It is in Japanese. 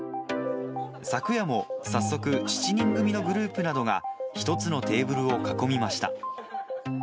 昨夜も早速、７人組のグループなどが一つのテーブルを囲みました。